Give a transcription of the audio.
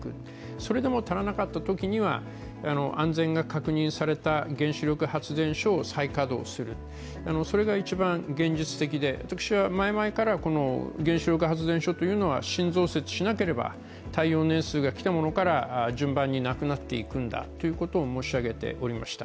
それでも足らなかったときには安全が確認された原子力発電所を再稼働する、それが一番、現実的で私は前々から原子力発電所というのは新造設しなければ耐用年数が来たものから順番になくなっていくんだと申し上げておりました。